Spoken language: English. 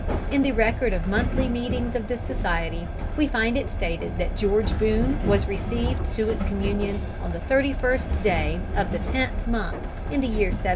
In the record of the monthly meetings of this society, we find it stated that George Boone was received to its communion on the thirty first day of tenth month, in the year 1717.